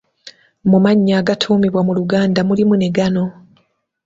Mu mannya agatuumibwa mu Luganda mulimu ne gano.